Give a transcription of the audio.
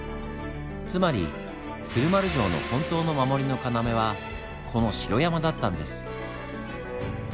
つまり鶴丸城の本当の守りの要はこの城山だったんです。